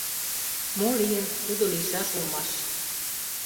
— Мо лийын — тудо лийшаш улмаш...